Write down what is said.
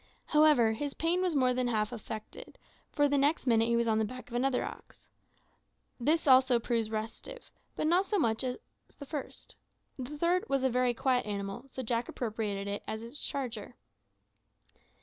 However, his pain was more than half affected, for the next minute he was on the back of another ox. This one also proved restive, but not so much so as the first. The third was a very quiet animal, so Jack appropriated it as his charger.